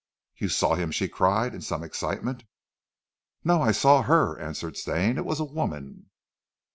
"You saw him?" she cried in some excitement. "No. I saw her!" answered Stane. "It was a woman."